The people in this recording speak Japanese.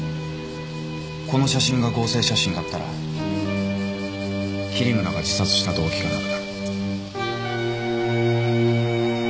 この写真が合成写真だったら桐村が自殺した動機がなくなる。